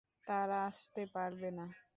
তারা আসতে পারবে না?